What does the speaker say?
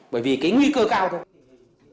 bởi vì cái nguy cơ cao thôi